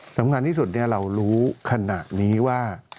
สำคัญที่สุดเรารู้ขณะนี้ว่า